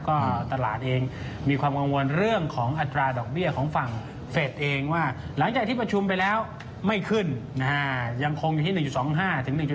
ก็ตลาดเองมีความกังวลเรื่องของอัตราดอกเบี้ยของฝั่งเฟสเองว่าหลังจากที่ประชุมไปแล้วไม่ขึ้นนะฮะยังคงอยู่ที่๑๒๕ถึง๑๗